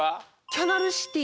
キャナルシティ。